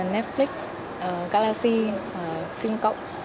netflix galaxy phim cộng